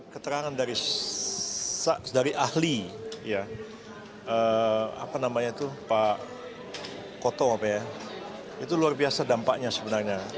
keterangan dari ahli pak koto itu luar biasa dampaknya sebenarnya